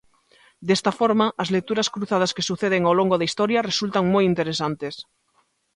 Desta forma, as lecturas cruzadas que suceden ao longo da historia resultan moi interesantes.